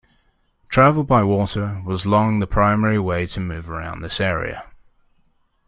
Travel by water was long the primary way to move around this area.